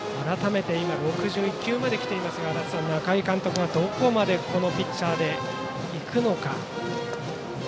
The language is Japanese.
改めて、今６１球まで来ていますが仲井監督がどこまでこのピッチャーで行くのか。